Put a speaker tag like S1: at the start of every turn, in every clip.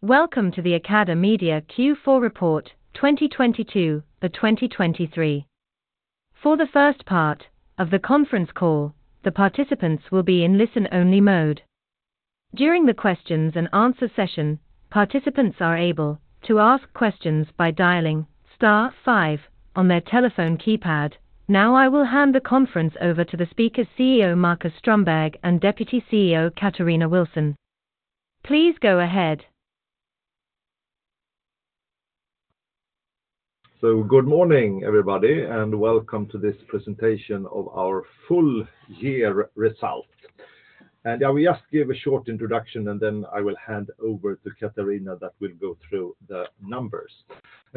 S1: Welcome to the AcadeMedia Q4 report 2022 to 2023. For the first part of the conference call, the participants will be in listen-only mode. During the questions and answer session, participants are able to ask questions by dialing star five on their telephone keypad. Now, I will hand the conference over to the speakers, CEO Marcus Strömberg and Deputy CEO Katarina Wilson. Please go ahead.
S2: Good morning, everybody, and welcome to this presentation of our full year result. I will just give a short introduction, and then I will hand over to Katarina that will go through the numbers.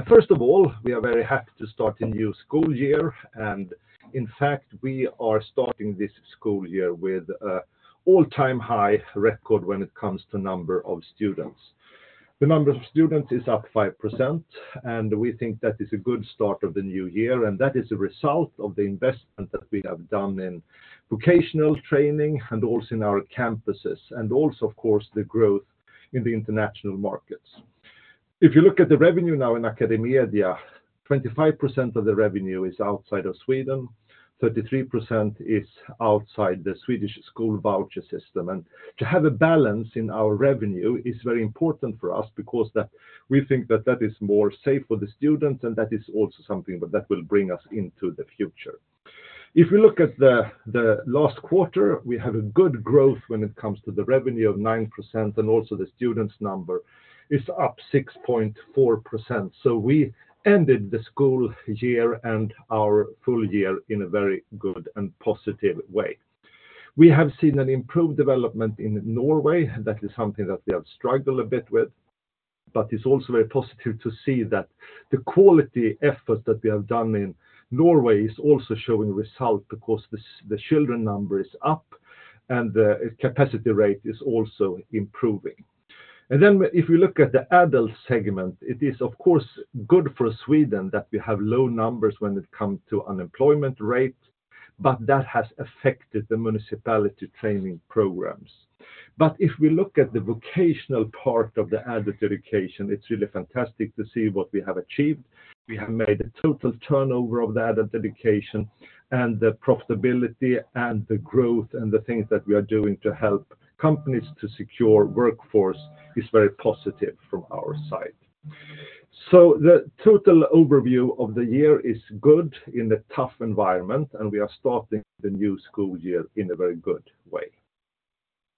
S2: First of all, we are very happy to start a new school year, and in fact, we are starting this school year with all-time high record when it comes to number of students. The number of students is up 5%, and we think that is a good start of the new year, and that is a result of the investment that we have done in vocational training and also in our campuses, and also, of course, the growth in the international markets. If you look at the revenue now in AcadeMedia, 25% of the revenue is outside of Sweden, 33% is outside the Swedish school voucher system. To have a balance in our revenue is very important for us because that we think that is more safe for the students, and that is also something that will bring us into the future. If you look at the last quarter, we have a good growth when it comes to the revenue of 9%, and also the students number is up 6.4%. So we ended the school year and our full year in a very good and positive way. We have seen an improved development in Norway. That is something that we have struggled a bit with, but it's also very positive to see that the quality effort that we have done in Norway is also showing results because the children number is up, and the capacity rate is also improving. And then if you look at the adult segment, it is, of course, good for Sweden that we have low numbers when it comes to unemployment rate, but that has affected the municipality training programs. But if we look at the vocational part of the adult education, it's really fantastic to see what we have achieved. We have made a total turnover of the adult education and the profitability and the growth and the things that we are doing to help companies to secure workforce is very positive from our side. So the total overview of the year is good in the tough environment, and we are starting the new school year in a very good way.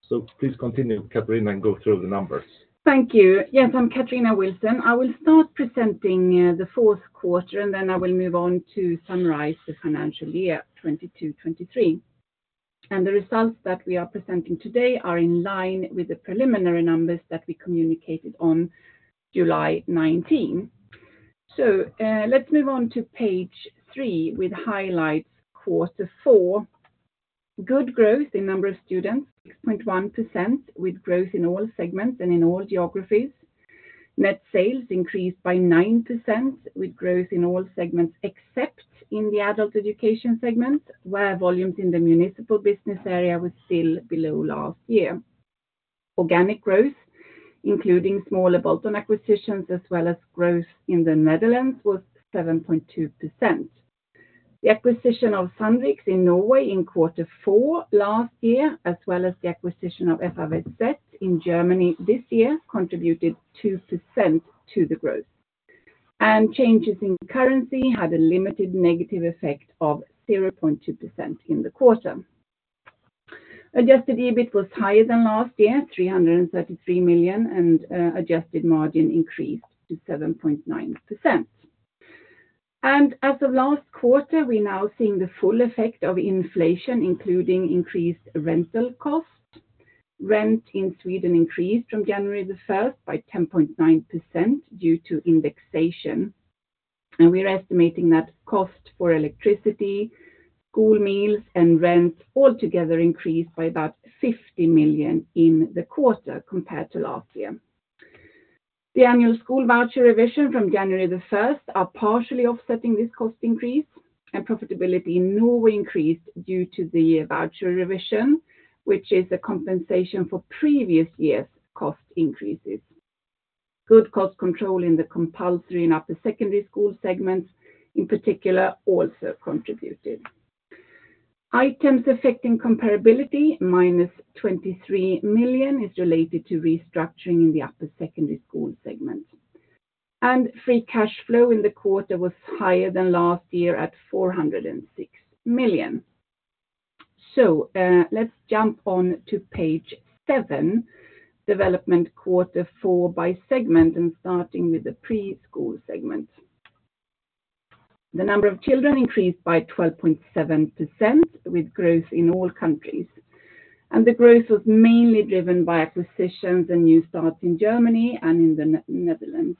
S2: So please continue, Katarina, and go through the numbers.
S3: Thank you. Yes, I'm Katarina Wilson. I will start presenting the Q4, and then I will move on to summarize the financial year 2022 to 2023. The results that we are presenting today are in line with the preliminary numbers that we communicated on July 19. Let's move on to page 3 with highlights, quarter four. Good growth in number of students, 6.1%, with growth in all segments and in all geographies. Net sales increased by 9%, with growth in all segments, except in the adult education segment, where volumes in the municipal business area was still below last year. Organic growth, including smaller bolt-on acquisitions as well as growth in the Netherlands, was 7.2%. The acquisition of Sandviks in Norway in quarter four last year, as well as the acquisition of FAWZ in Germany this year, contributed 2% to the growth. Changes in currency had a limited negative effect of 0.2% in the quarter. Adjusted EBIT was higher than last year, 333 million, and adjusted margin increased to 7.9%. As of last quarter, we now seeing the full effect of inflation, including increased rental cost. Rent in Sweden increased from January 1 by 10.9% due to indexation, and we're estimating that cost for electricity, school meals, and rent altogether increased by about 50 million in the quarter compared to last year. The annual school voucher revision from January the first are partially offsetting this cost increase, and profitability in Norway increased due to the voucher revision, which is a compensation for previous years' cost increases. Good cost control in the compulsory and upper secondary school segments, in particular, also contributed. Items affecting comparability, -23 million, is related to restructuring in the upper secondary school segment. Free cash flow in the quarter was higher than last year at 406 million. So, let's jump on to page seven, development quarter four by segment and starting with the preschool segment. The number of children increased by 12.7%, with growth in all countries. The growth was mainly driven by acquisitions and new starts in Germany and in the Netherlands.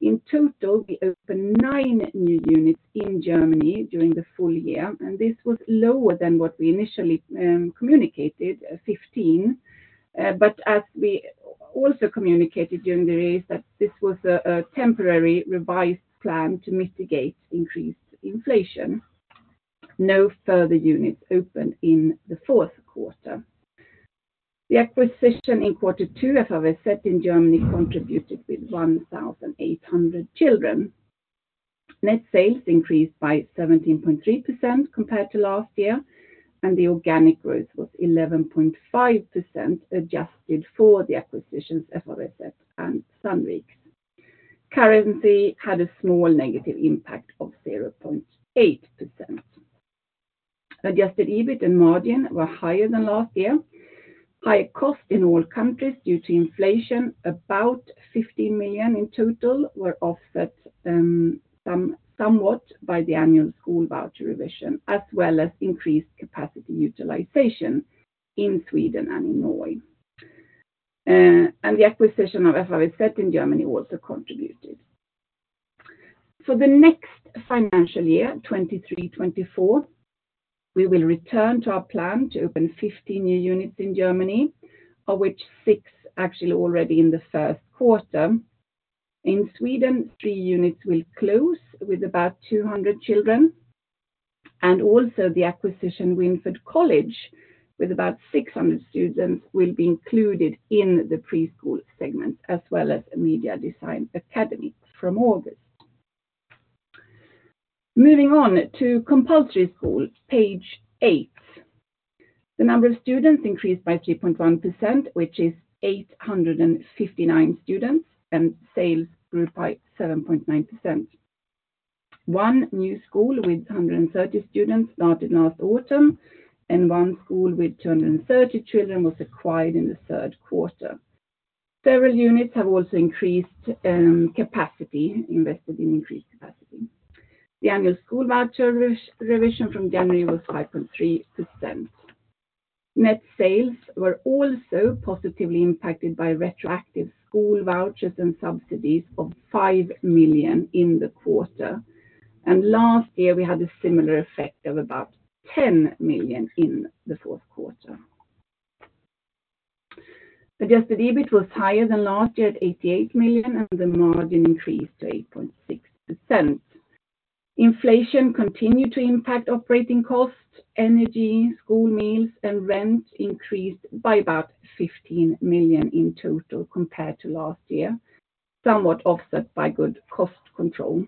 S3: In total, we opened nine new units in Germany during the full year, and this was lower than what we initially communicated, 15. But as we also communicated during the race, that this was a temporary revised plan to mitigate increased inflation. No further units opened in the Q4. The acquisition in quarter two, FAWZ in Germany, contributed with 1,800 children. Net sales increased by 17.3% compared to last year, and the organic growth was 11.5%, adjusted for the acquisitions, FAWZ and Sandviks. Currency had a small negative impact of 0.8%. Adjusted EBIT and margin were higher than last year. Higher costs in all countries due to inflation, about 15 million in total, were offset somewhat by the annual school voucher revision, as well as increased capacity utilization in Sweden and in Norway. The acquisition of FAWZ in Germany also contributed. For the next financial year, 2023 to 2024, we will return to our plan to open 15 new units in Germany, of which six actually already in the Q1. In Sweden, three units will close with about 200 children, and also the acquisition, Winford College, with about 600 students, will be included in the preschool segment, as well as a Media Design Academy from August. Moving on to compulsory school, page 8. The number of students increased by 3.1%, which is 859 students, and sales grew by 7.9%. One new school with 130 students started last autumn, and one school with 230 children was acquired in the Q3. Several units have also increased capacity, invested in increased capacity. The annual school voucher revision from January was 5.3%. Net sales were also positively impacted by retroactive school vouchers and subsidies of 5 million in the quarter. And last year, we had a similar effect of about 10 million in the Q4. Adjusted EBIT was higher than last year at 88 million, and the margin increased to 8.6%. Inflation continued to impact operating costs, energy, school meals, and rent increased by about 15 million in total compared to last year, somewhat offset by good cost control.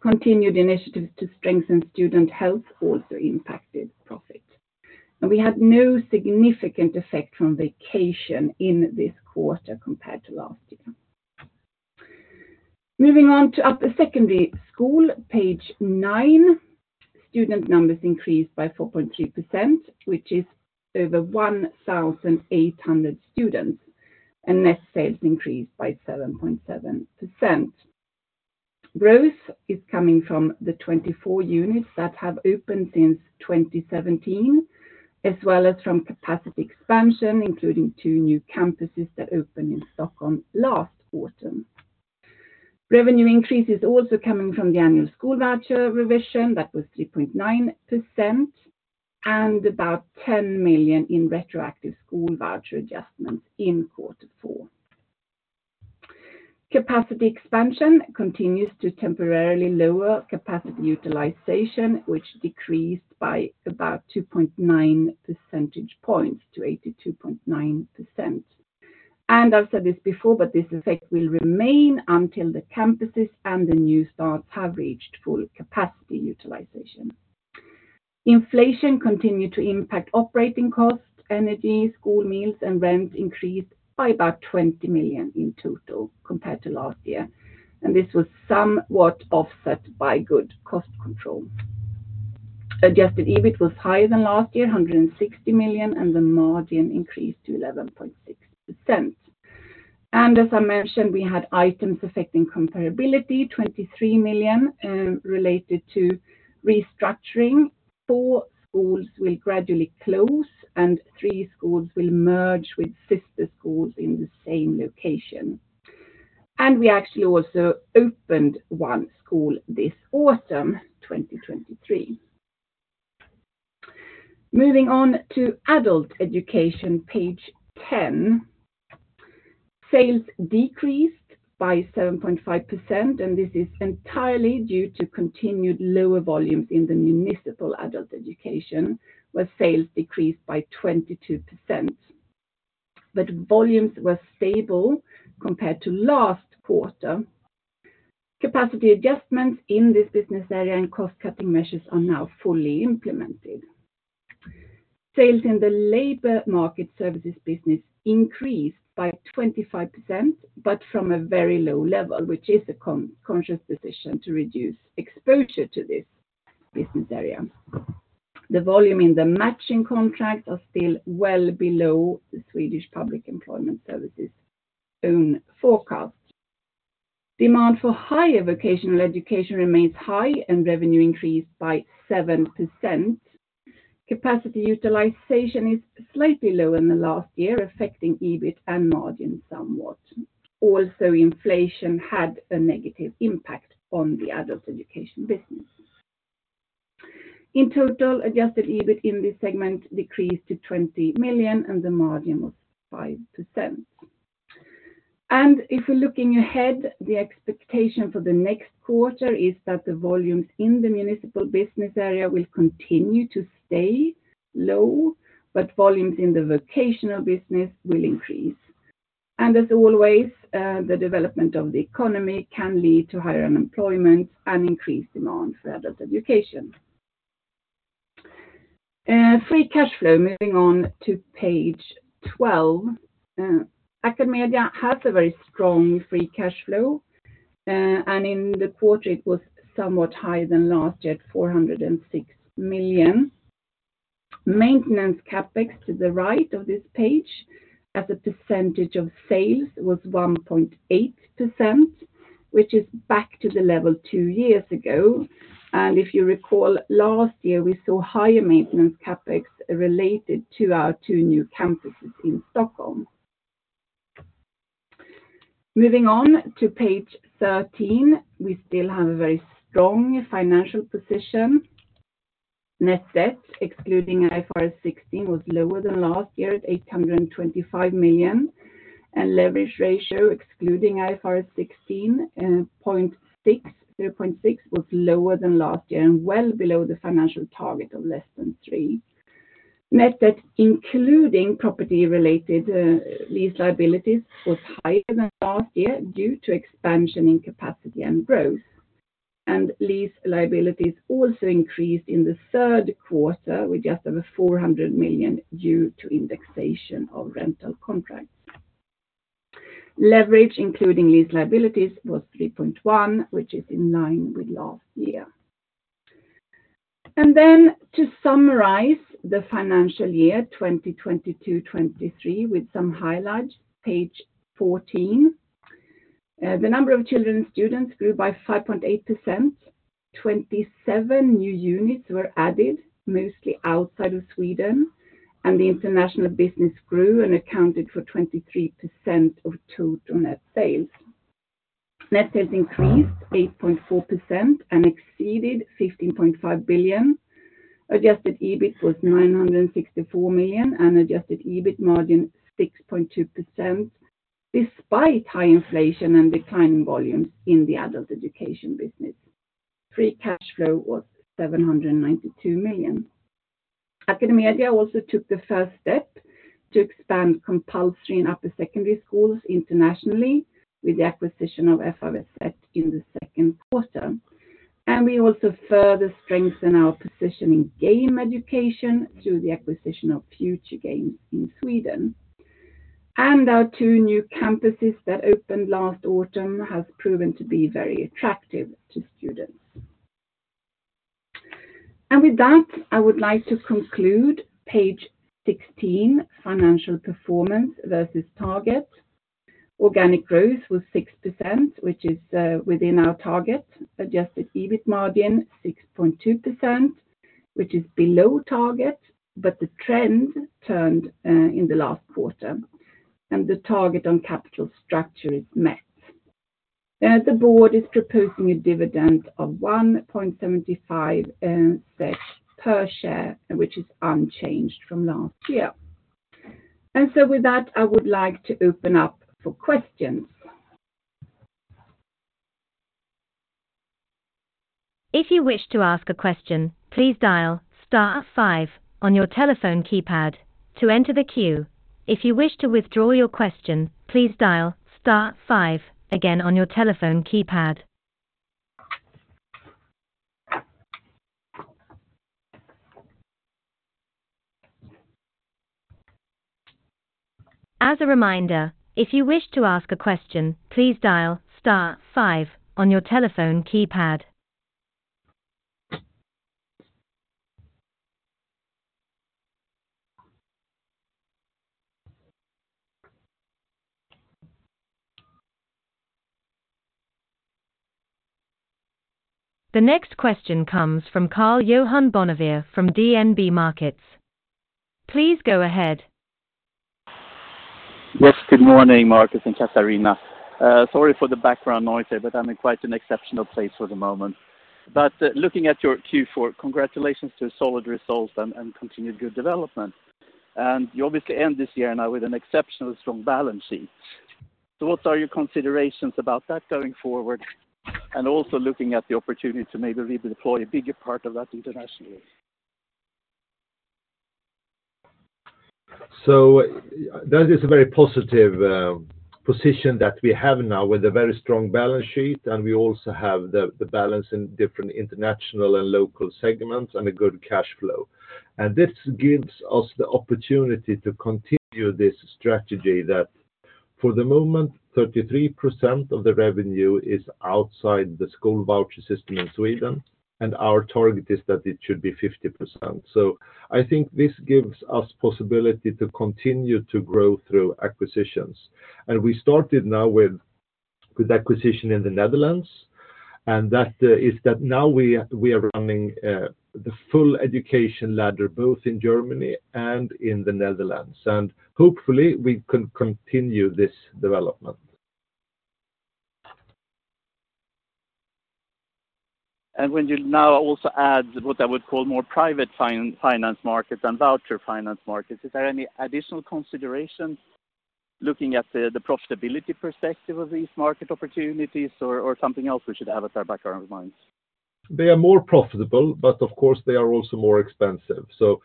S3: Continued initiatives to strengthen student health also impacted profit. We had no significant effect from vacation in this quarter compared to last year. Moving on to upper secondary school, page 9. Student numbers increased by 4.3%, which is over 1,800 students, and net sales increased by 7.7%. Growth is coming from the 24 units that have opened since 2017, as well as from capacity expansion, including 2 new campuses that opened in Stockholm last autumn. Revenue increase is also coming from the annual school voucher revision, that was 3.9%, and about 10 million in retroactive school voucher adjustments in Q4. Capacity expansion continues to temporarily lower capacity utilization, which decreased by about 2.9 percentage points to 82.9%. I've said this before, but this effect will remain until the campuses and the new starts have reached full capacity utilization. Inflation continued to impact operating costs, energy, school meals, and rent increased by about 20 million in total compared to last year, and this was somewhat offset by good cost control. Adjusted EBIT was higher than last year, 160 million, and the margin increased to 11.6%. As I mentioned, we had items affecting comparability, 23 million, related to restructuring. 4 schools will gradually close, and 3 schools will merge with sister schools in the same location. We actually also opened 1 school this autumn, 2023. Moving on to adult education, page 10. Sales decreased by 7.5%, and this is entirely due to continued lower volumes in the municipal adult education, where sales decreased by 22%, but volumes were stable compared to last quarter. Capacity adjustments in this business area and cost-cutting measures are now fully implemented. Sales in the labor market services business increased by 25%, but from a very low level, which is a conscious decision to reduce exposure to this business area. The volume in the matching contract are still well below the Swedish Public Employment Service's own forecast. Demand for higher vocational education remains high and revenue increased by 7%. Capacity utilization is slightly lower than the last year, affecting EBIT and margin somewhat. Also, inflation had a negative impact on the adult education business. In total, adjusted EBIT in this segment decreased to 20 million, and the margin was 5%.... And if we're looking ahead, the expectation for the next quarter is that the volumes in the municipal business area will continue to stay low, but volumes in the vocational business will increase. As always, the development of the economy can lead to higher unemployment and increased demand for adult education. Free cash flow, moving on to page 12. AcadeMedia has a very strong free cash flow, and in the quarter, it was somewhat higher than last year at 406 million. Maintenance CapEx to the right of this page, as a percentage of sales, was 1.8%, which is back to the level two years ago. If you recall, last year, we saw higher maintenance CapEx related to our 2 new campuses in Stockholm. Moving on to page 13, we still have a very strong financial position. Net debt, excluding IFRS 16, was lower than last year at 825 million, and leverage ratio, excluding IFRS 16, 0.6, 3.6, was lower than last year and well below the financial target of less than 3. Net debt, including property-related lease liabilities, was higher than last year due to expansion in capacity and growth. Lease liabilities also increased in the Q3, with just over 400 million due to indexation of rental contracts. Leverage, including lease liabilities, was 3.1, which is in line with last year. Then to summarize the financial year 2022 to 2023, with some highlights, page 14. The number of children and students grew by 5.8%. 27 new units were added, mostly outside of Sweden, and the international business grew and accounted for 23% of total net sales. Net sales increased 8.4% and exceeded 15.5 billion. Adjusted EBIT was 964 million, and adjusted EBIT margin, 6.2%, despite high inflation and declining volumes in the adult education business. Free cash flow was 792 million. AcadeMedia also took the first step to expand compulsory and upper secondary schools internationally with the acquisition of FAWZ in the Q2. We also further strengthened our position in game education through the acquisition of Futuregames in Sweden. Our two new campuses that opened last autumn have proven to be very attractive to students. With that, I would like to conclude page 16, Financial Performance versus Target. Organic growth was 6%, which is, within our target. Adjusted EBIT margin, 6.2%, which is below target, but the trend turned in the last quarter, and the target on capital structure is met. The board is proposing a dividend of 1.75 per share, which is unchanged from last year. And so with that, I would like to open up for questions.
S1: If you wish to ask a question, please dial star five on your telephone keypad to enter the queue. If you wish to withdraw your question, please dial star five again on your telephone keypad. As a reminder, if you wish to ask a question, please dial star five on your telephone keypad. The next question comes from Karl-Johan Bonnevier from DNB Markets. Please go ahead.
S4: Yes, good morning, Marcus and Katarina. Sorry for the background noise there, but I'm in quite an exceptional place for the moment. But looking at your Q4, congratulations to a solid result and continued good development. And you obviously end this year now with an exceptional strong balance sheet. So what are your considerations about that going forward, and also looking at the opportunity to maybe redeploy a bigger part of that internationally?
S2: So that is a very positive position that we have now with a very strong balance sheet, and we also have the balance in different international and local segments and a good cash flow. This gives us the opportunity to continue this strategy that for the moment, 33% of the revenue is outside the school voucher system in Sweden, and our target is that it should be 50%. I think this gives us possibility to continue to grow through acquisitions. We started now with acquisition in the Netherlands, and that is that now we are running the full education ladder, both in Germany and in the Netherlands. Hopefully, we can continue this development. ...
S4: And when you now also add what I would call more private finance markets and voucher finance markets, is there any additional considerations looking at the profitability perspective of these market opportunities or something else we should have at the back of our minds?
S2: They are more profitable, but of course, they are also more expensive. So,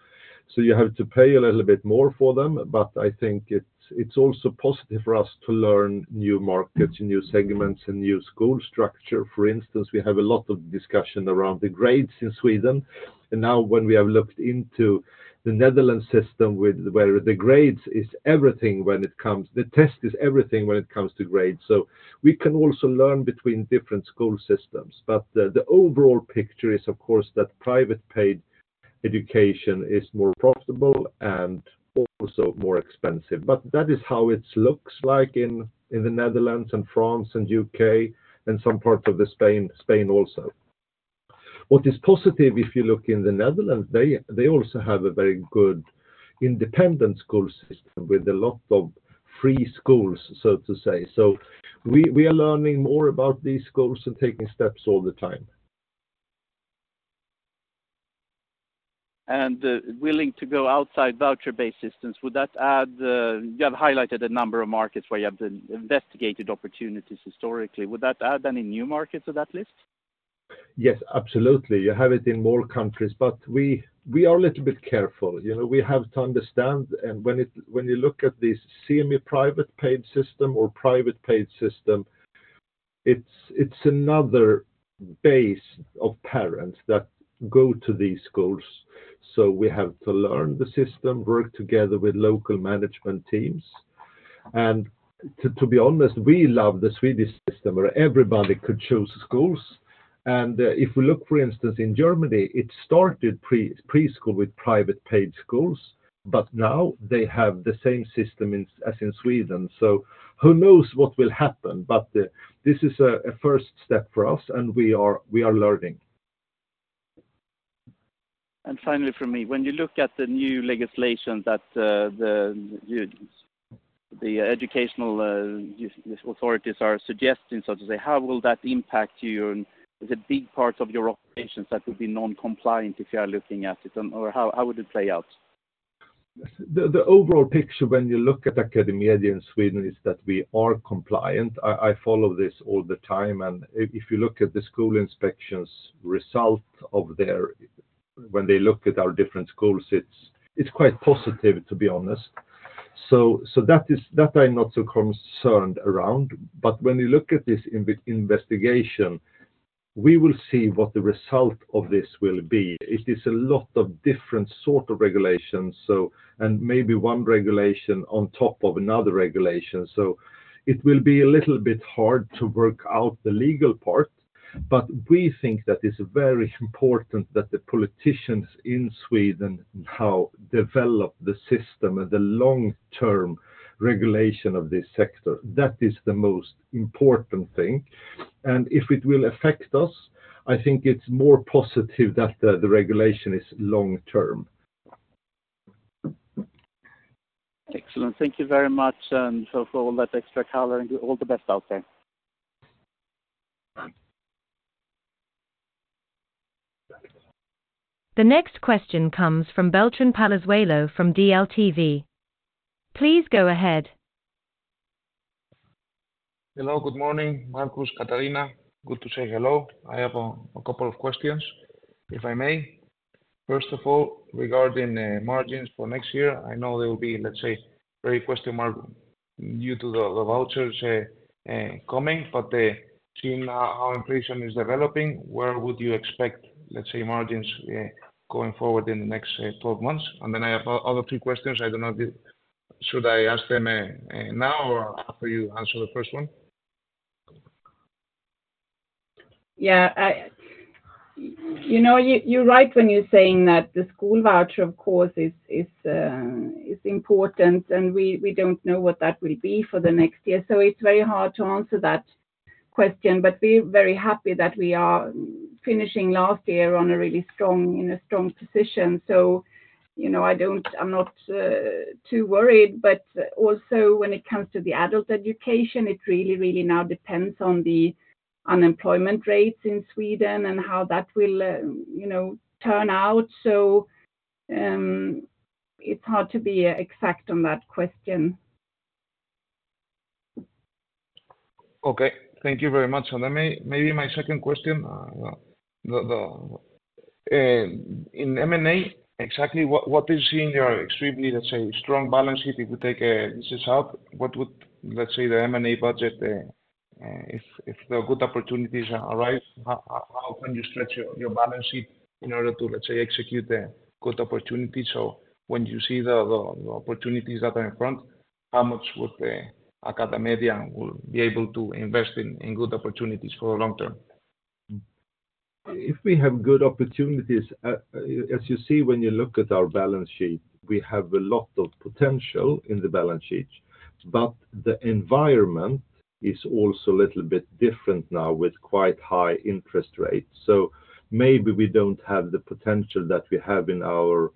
S2: so you have to pay a little bit more for them, but I think it's, it's also positive for us to learn new markets, new segments, and new school structure. For instance, we have a lot of discussion around the grades in Sweden, and now when we have looked into the Netherlands system, with, where the grades is everything, when it comes, the test is everything when it comes to grades. So we can also learn between different school systems. But the, the overall picture is, of course, that private paid education is more profitable and also more expensive. But that is how it looks like in, in the Netherlands and France and UK, and some parts of the Spain, Spain also. What is positive, if you look in the Netherlands, they also have a very good independent school system with a lot of free schools, so to say. So we are learning more about these schools and taking steps all the time.
S4: Willing to go outside voucher-based systems, would that add...? You have highlighted a number of markets where you have investigated opportunities historically. Would that add any new markets to that list?
S2: Yes, absolutely. You have it in more countries, but we are a little bit careful. You know, we have to understand, and when you look at the semi-private paid system or private paid system, it's another base of parents that go to these schools. So we have to learn the system, work together with local management teams. And to be honest, we love the Swedish system, where everybody could choose schools. And if we look, for instance, in Germany, it started preschool with private paid schools, but now they have the same system as in Sweden. So who knows what will happen? But this is a first step for us, and we are learning.
S4: And finally, from me, when you look at the new legislation that the educational authorities are suggesting, so to say, how will that impact you? And there's a big part of your operations that will be non-compliant if you are looking at it, or how would it play out?
S2: The overall picture when you look at AcadeMedia in Sweden is that we are compliant. I follow this all the time, and if you look at the school inspections result when they look at our different schools, it's quite positive, to be honest. So that is that I'm not so concerned around. But when you look at this investigation, we will see what the result of this will be. It is a lot of different sort of regulations, so, and maybe one regulation on top of another regulation. So it will be a little bit hard to work out the legal part, but we think that it's very important that the politicians in Sweden now develop the system and the long-term regulation of this sector. That is the most important thing. If it will affect us, I think it's more positive that the regulation is long-term.
S4: Excellent. Thank you very much for all that extra color, and all the best out there.
S1: The next question comes from Beltrán Palazuelo from DLTV. Please go ahead.
S5: Hello, good morning, Marcus, Katarina. Good to say hello. I have a couple of questions, if I may. First of all, regarding margins for next year, I know they will be, let's say, very questionable due to the vouchers coming, but seeing how inflation is developing, where would you expect, let's say, margins going forward in the next 12 months? And then I have two other questions. I don't know if... Should I ask them now or after you answer the first one?
S3: Yeah, you know, you're right when you're saying that the school voucher, of course, is important, and we don't know what that will be for the next year. So it's very hard to answer that question, but we're very happy that we are finishing last year on a really strong, in a strong position. So, you know, I'm not too worried, but also when it comes to the adult education, it really, really now depends on the unemployment rates in Sweden and how that will, you know, turn out. So, it's hard to be exact on that question.
S5: Okay. Thank you very much. And let me, maybe my second question, in M&A, exactly what is in your extremely, let's say, strong balance sheet? If you take this out, what would, let's say, the M&A budget, if the good opportunities arise, how can you stretch your balance sheet in order to, let's say, execute the good opportunities? So when you see the opportunities that are in front, how much would AcadeMedia be able to invest in good opportunities for the long term?
S2: If we have good opportunities, as you see when you look at our balance sheet, we have a lot of potential in the balance sheet, but the environment is also a little bit different now with quite high interest rates. So maybe we don't have the potential that we have in our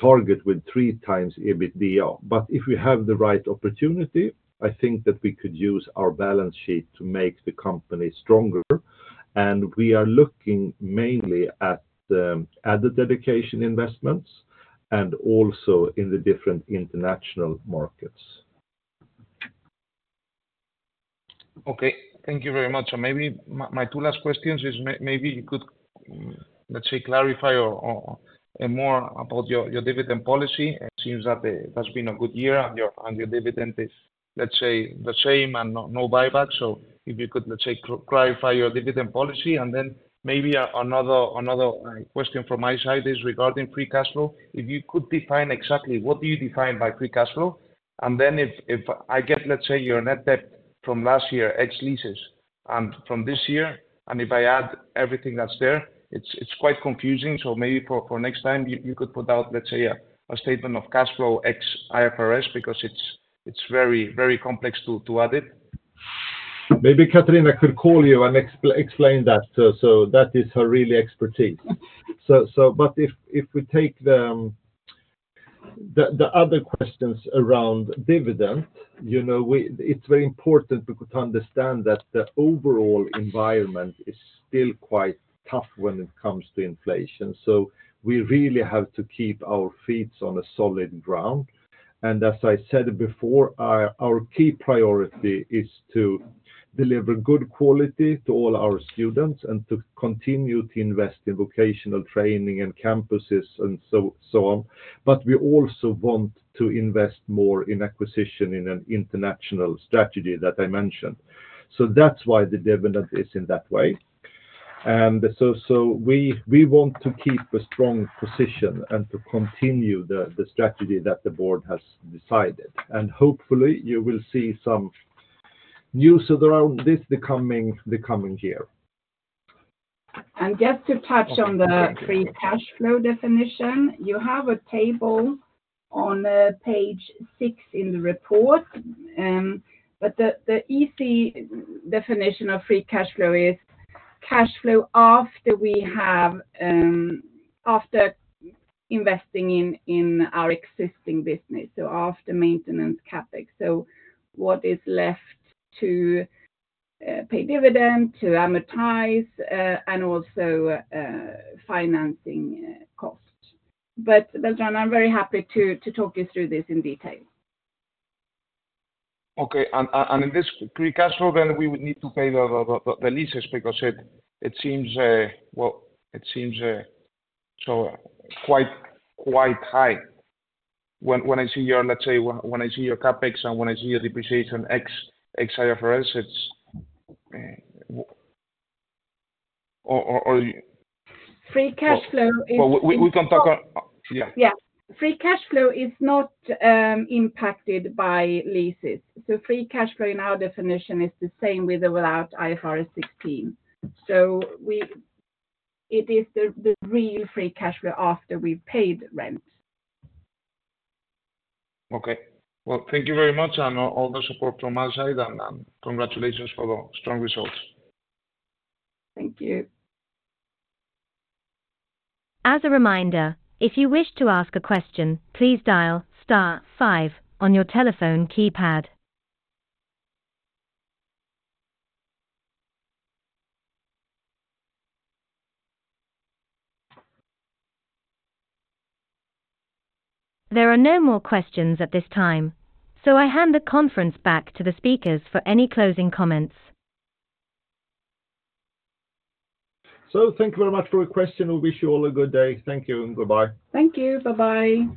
S2: target with three times EBITDA. But if we have the right opportunity, I think that we could use our balance sheet to make the company stronger, and we are looking mainly at the added dedication investments and also in the different international markets.
S5: Okay. Thank you very much. So maybe my two last questions is maybe you could, let's say, clarify or more about your dividend policy. It seems that it has been a good year, and your dividend is, let's say, the same and no buyback. So if you could, let's say, clarify your dividend policy. And then maybe another question from my side is regarding free cash flow. If you could define exactly what do you define by free cash flow? And then if I get, let's say, your net debt from last year, ex leases, and from this year, and if I add everything that's there, it's quite confusing. So maybe for next time, you could put out, let's say, a statement of cash flow ex IFRS, because it's very, very complex to add it.
S2: Maybe Katarina could call you and explain that. So that is her real expertise. But if we take the other questions around dividend, you know, we, it's very important to understand that the overall environment is still quite tough when it comes to inflation. So we really have to keep our feet on solid ground. And as I said before, our key priority is to deliver good quality to all our students and to continue to invest in vocational training and campuses and so on. But we also want to invest more in acquisition in an international strategy that I mentioned. So that's why the dividend is in that way. And so we want to keep a strong position and to continue the strategy that the board has decided. Hopefully, you will see some news around this the coming year.
S3: Just to touch on the free cash flow definition, you have a table on page 6 in the report. But the easy definition of free cash flow is cash flow after we have after investing in our existing business, so after maintenance CapEx. So what is left to pay dividend, to amortize, and also financing cost. But, John, I'm very happy to talk you through this in detail.
S5: Okay, in this free cash flow, then we would need to pay the leases because it seems... Well, it seems so quite high. When I see your, let's say, CapEx and when I see your depreciation ex-IFRS, it's, or-
S3: Free cash flow is-
S5: We can talk on... Yeah.
S3: Yeah. Free cash flow is not impacted by leases. So free cash flow in our definition is the same with or without IFRS 16. So it is the real free cash flow after we've paid rent.
S5: Okay. Well, thank you very much, and all the support from our side, and congratulations for the strong results.
S3: Thank you.
S1: As a reminder, if you wish to ask a question, please dial star five on your telephone keypad. There are no more questions at this time, so I hand the conference back to the speakers for any closing comments.
S2: Thank you very much for your question. We wish you all a good day. Thank you and goodbye.
S3: Thank you. Bye-bye.